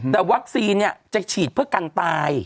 แต่วัคซีนจะฉีดเพื่อกันตาย